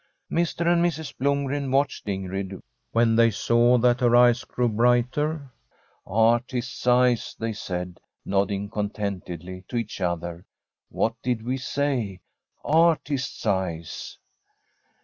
Mr. and Mrs. Blomgren watched Ingrid when they saw that her eyes grew brighter. * Artist's eyes/ they said, nodding contentedly to each other. * What did we say ? Artist's eyes